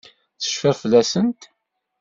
Tecfid fell-asent?